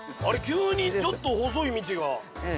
急にちょっと細い道が。